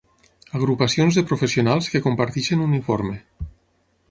Agrupacions de professionals que comparteixen uniforme.